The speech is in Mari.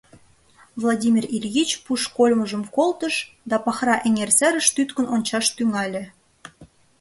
Владимир Ильич пуш кольмыжым колтыш да Пахра эҥер серыш тӱткын ончаш тӱҥале.